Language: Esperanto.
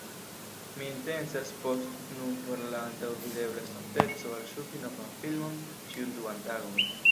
Mi intencas post nun por la antaŭvidebla estonteco alŝuti novan filmon ĉiun duan tagon